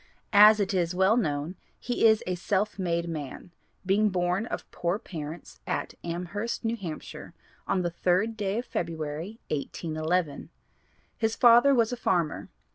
As it is well known he is a self made man, being born of poor parents at Amherst, New Hampshire, on the 3rd day of February, 1811. His father was a farmer.